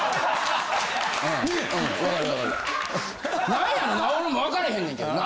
何やろな俺も分からへんねんけどな。